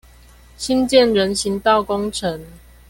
新建人行道工程